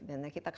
dan kita harapkan